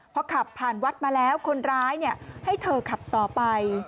พอขับผ่านวัดมาแล้วคนร้ายให้เธอขับต่อไป